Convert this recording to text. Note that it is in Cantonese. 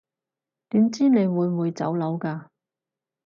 點知你會唔會走佬㗎